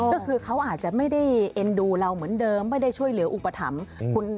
ก็คือเขาอาจจะไม่ได้เอ็นดูเราเหมือนเดิมไม่ได้ช่วยเหลืออุปถัมภ์